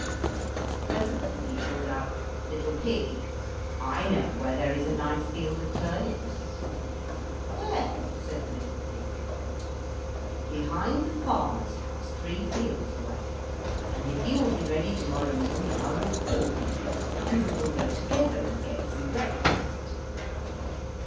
Presently he called out: "Little pig, I know where there is a nice field of turnips." "Where?" said the little pig. "Behind the farmer's house, three fields away, and if you will be ready to morrow morning I will call for you, and we will go together and get some breakfast."